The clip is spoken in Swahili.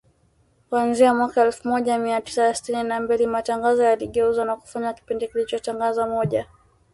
Kuanzia mwaka elfu moja mia tisa sitini na mbili, matangazo yaligeuzwa na kufanywa kipindi kilichotangazwa moja kwa moja, kila siku kutoka Washington